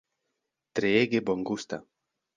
Treege bongusta!